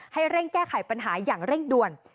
ให้เร่งแก้ไขปัญหาอย่างเร่งด่วน